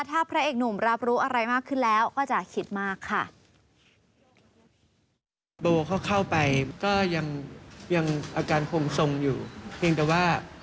ถ้าพระเอกหนุ่มรับรู้อะไรมากขึ้นแล้วก็จะคิดมากค่ะ